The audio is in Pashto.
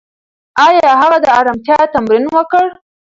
ایا هغه د ارامتیا تمرین وکړ؟